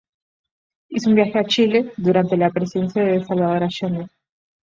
Hizo un viaje a Chile, durante la presidencia de Salvador Allende.